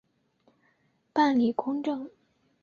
办理公证